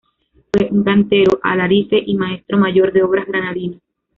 Fue un cantero, alarife, y maestro mayor de obras granadino.